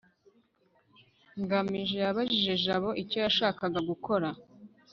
ngamije yabajije jabo icyo yashakaga gukora